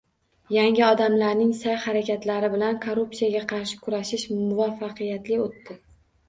Yangi odamlarning sa'y -harakatlari bilan korrupsiyaga qarshi kurash muvaffaqiyatli o'tdi